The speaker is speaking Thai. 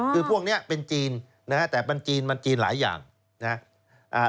คือพวกนี้เป็นจีนแต่มันจีนหลายอย่างนะ